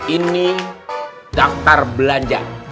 ini daftar belanja